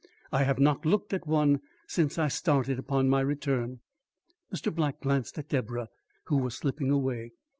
"I have not looked at one since I started upon my return." Mr. Black glanced at Deborah, who was slipping away.